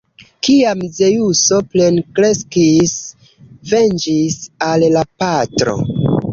Kiam Zeŭso plenkreskis, venĝis al la patro.